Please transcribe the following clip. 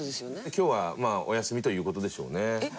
今日はまあお休みという事でしょうね。